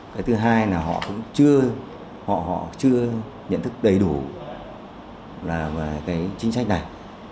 cái thứ hai là họ cũng chưa nhận thức đầy đủ về chính sách này